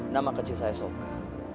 nama kecil saya soka